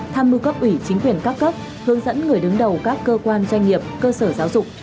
tham mưu cấp ủy chính quyền các cấp hướng dẫn người đứng đầu các cơ quan doanh nghiệp cơ sở giáo dục